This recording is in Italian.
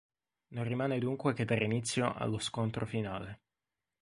Non rimane dunque che dare inizio allo scontro finale.